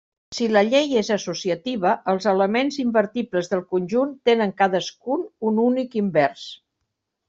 Si la llei és associativa, els elements invertibles del conjunt tenen cadascun un únic invers.